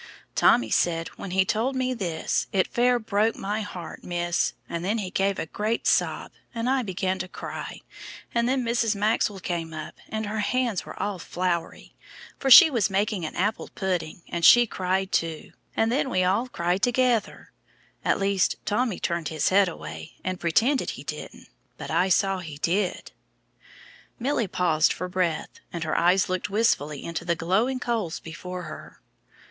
"Tommy said, when he told me this, 'It fair broke my heart, miss,' and then he gave a great sob, and I began to cry, and then Mrs. Maxwell came up, and her hands were all floury, for she was making an apple pudding, and she cried too, and then we all cried together at least, Tommy turned his head away and pretended he didn't, but I saw he did." Milly paused for breath, and her eyes looked wistfully into the glowing coals before her.